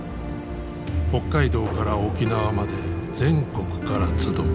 北海道から沖縄まで全国から集う。